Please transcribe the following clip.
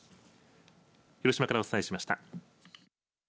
広島からお伝えしました。